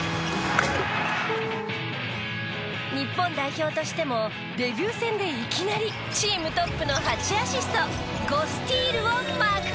日本代表としてもデビュー戦でいきなりチームトップの８アシスト５スティールをマーク！